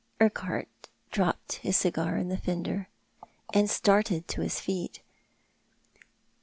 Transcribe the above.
Urquhart dropped his cigar iu the fender, and started to his feet.